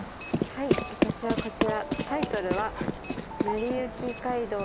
私はこちらタイトルは。